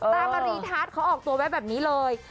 ตามมารีทัชเขาออกตัวแบบนี้เลย